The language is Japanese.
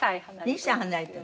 ２歳離れてるの。